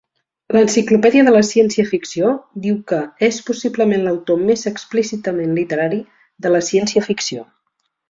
L'"Enciclopèdia de la ciència-ficció" diu que "és possiblement l'autor més explícitament literari de la ciència-ficció".